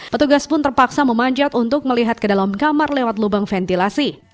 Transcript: petugas pun terpaksa memanjat untuk melihat ke dalam kamar lewat lubang ventilasi